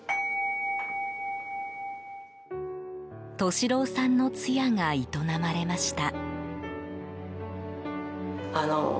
利郎さんの通夜が営まれました。